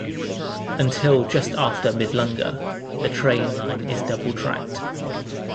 Until just after Midlunga, the train line is double tracked.